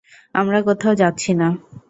আমরা কোথাও যাচ্ছি না।